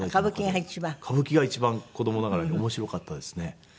歌舞伎が一番子供ながらに面白かったですね。